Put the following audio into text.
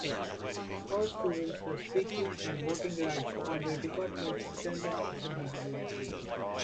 All students have speaking and voting rights on their department's general assemblies.